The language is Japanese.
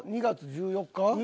２月１４日？